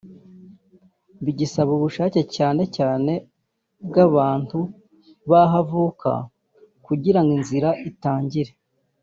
bigisaba ubushake cyane cyane bw’abantu b’aho avuka kugira ngo inzira itangire